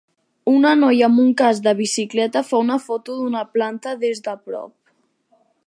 Una noia amb un casc de bicicleta fa una foto d'una planta des d'a prop.